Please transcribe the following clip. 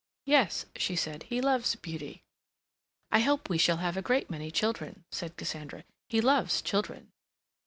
"Yes," she said, "he loves beauty." "I hope we shall have a great many children," said Cassandra. "He loves children."